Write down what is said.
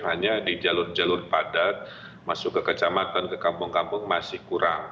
hanya di jalur jalur padat masuk ke kecamatan ke kampung kampung masih kurang